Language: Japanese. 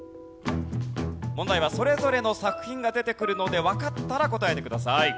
問題はそれぞれの作品が出てくるのでわかったら答えてください。